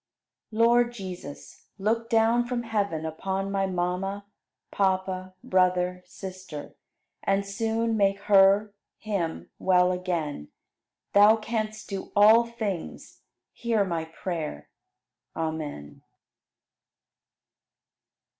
74. Lord Jesus, look down from heaven upon my mama (papa, brother, sister) and soon make her (him) well again. Thou canst do all things; hear my prayer! Amen.